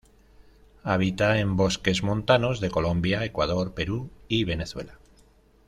Habita en bosques montanos de Colombia, Ecuador, Perú y Venezuela.